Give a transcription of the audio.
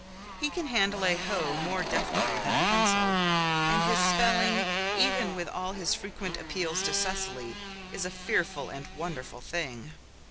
He can handle a hoe more deftly than a pencil, and his spelling, even with all his frequent appeals to Cecily, is a fearful and wonderful thing.